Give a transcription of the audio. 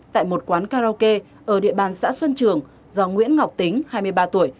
tại một quán karaoke ở địa bàn xã xuân trường do nguyễn ngọc tính hai mươi ba tuổi